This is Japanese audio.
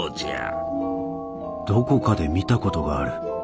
どこかで見たことがある。